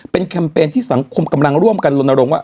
เป็นแคมเปญที่สังคมกำลังร่วมกันลนรงค์ว่า